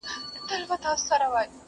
ستا موسکي موسکي نظر کي ،